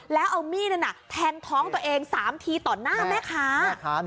แล้วเอามีดนั้นแทงท้องตัวเอง๓ทีต่อหน้าแม่ค้า